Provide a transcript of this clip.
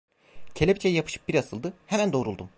Kelepçeye yapışıp bir asıldı, hemen doğruldum.